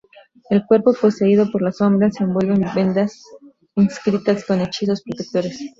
El cuerpo, poseído por las sombras, se envuelve en vendas inscritas con hechizos protectores.